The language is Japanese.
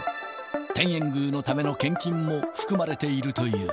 天苑宮のための献金も含まれているという。